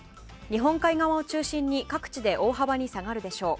日本海側を中心に各地で大幅に下がるでしょう。